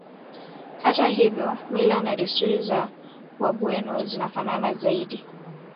Hata hivyo mila na desturi za Wagweno zinafanana zaidi